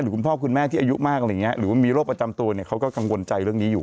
คุณพ่อคุณแม่ที่อายุมากอะไรอย่างเงี้ยหรือว่ามีโรคประจำตัวเนี่ยเขาก็กังวลใจเรื่องนี้อยู่